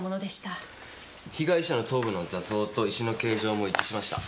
被害者の頭部の挫創と石の形状も一致しました。